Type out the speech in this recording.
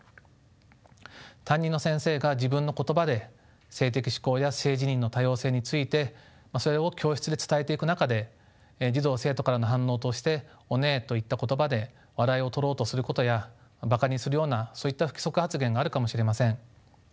担任の先生が自分の言葉で性的指向や性自認の多様性についてそれを教室で伝えていく中で児童・生徒からの反応として「オネエ」といった言葉で笑いを取ろうとすることやバカにするようなそういった不規則発言があるかもしれません。